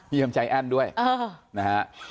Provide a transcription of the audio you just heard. เยี่ยมใจแอ้นด้วยนะฮะ